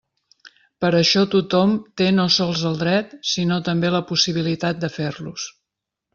Per això tothom té no sols el dret sinó també la possibilitat de fer-los.